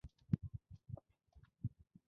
که غوره اخلاق لرې نو ښایسته یې!